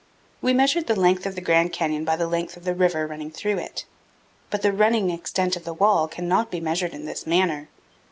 We measured the length of the Grand Canyon by the length of the river running through it, but the running extent of wall cannot be measured in this manner.